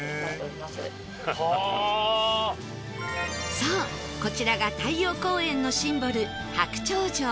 そうこちらが太陽公園のシンボル白鳥城